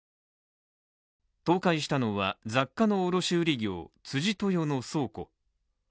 倒壊したのは雑貨の卸売業、辻豊の倉庫。